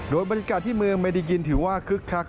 โดยบรรยากาศที่เมืองเมดิกินถือว่าคึกคัก